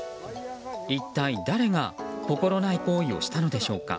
一体、誰が心ない行為をしたのでしょうか。